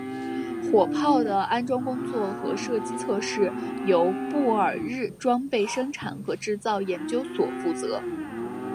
火炮的安装工作和射击测试由布尔日装备生产和制造研究所负责。